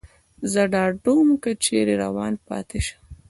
زه ډاډه ووم، که چېرې روان پاتې شم.